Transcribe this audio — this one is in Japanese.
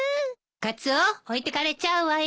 カツオ置いてかれちゃうわよ。